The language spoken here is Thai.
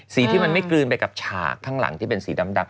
ที่มันไม่กลืนไปกับฉากข้างหลังที่เป็นสีดำ